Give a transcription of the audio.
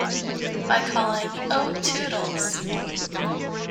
By calling, Oh Toodles!